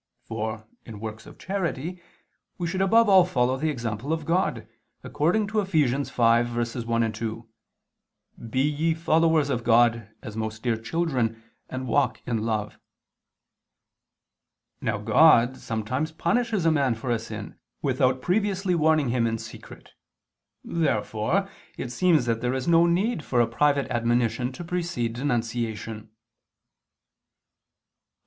For, in works of charity, we should above all follow the example of God, according to Eph. 5:1, 2: "Be ye followers of God, as most dear children, and walk in love." Now God sometimes punishes a man for a sin, without previously warning him in secret. Therefore it seems that there is no need for a private admonition to precede denunciation. Obj.